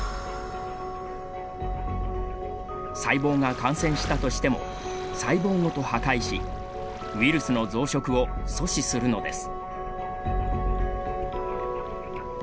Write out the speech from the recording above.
細胞が感染したとしても細胞ごと破壊しウイルスの増殖を阻止するのです。